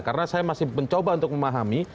karena saya masih mencoba untuk memahami